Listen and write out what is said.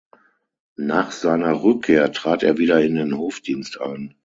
Nach seiner Rückkehr trat er wieder in den Hofdienst ein.